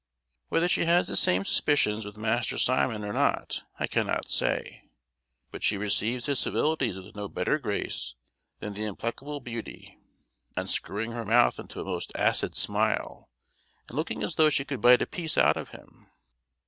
Whether she has the same suspicions with Master Simon or not, I cannot say; but she receives his civilities with no better grace than the implacable Beauty; unscrewing her mouth into a most acid smile, and looking as though she could bite a piece out of him.